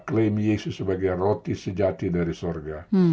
klaim yesus sebagai roti sejati dari surga